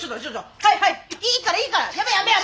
はいはいいいからいいからやめやめやめ！